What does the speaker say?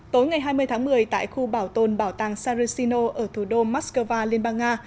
tối ngày hai mươi tháng một mươi tại khu bảo tồn bảo tàng sarasino ở thủ đô moscow liên bang nga